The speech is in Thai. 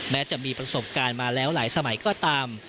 แม้จะมีประสบการณ์มาแล้วหลายสมัยก็ตาม